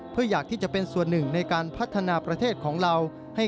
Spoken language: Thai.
เพื่ออยากที่จะเป็นส่วนหนึ่งในการพัฒนาประเทศของเรา